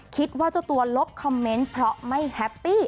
คิดว่าเจ้าตัวลบคอมเมนต์เพราะไม่แฮปปี้